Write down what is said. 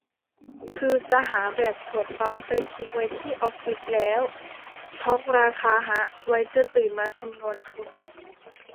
คือจะหาแบบขวดปั๊มไปทิ้งไว้ที่ออฟฟิศแล้วช็อกราคาฮะ ไว้จะตื่นมาคำนวณทุน